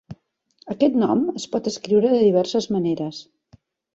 Aquest nom es pot escriure de diverses maneres.